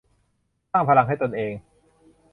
สร้างพลังให้ตนเอง